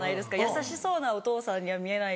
優しそうなお父さんには見えない。